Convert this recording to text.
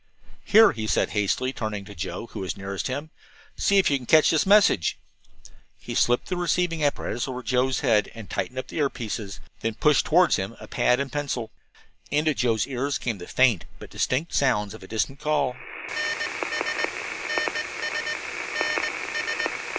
"Here," he said hastily, turning to Joe, who was nearest him, "see if you can catch this message." He slipped the receiving apparatus over Joe's head, and tightened up the ear pieces, then pushed toward him a pad and pencil. Into Joe's ears came the faint but distinct sounds of a distant call